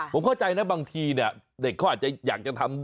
ผมเข้าใจนะบางทีเนี่ยเด็กเขาอาจจะอยากจะทำ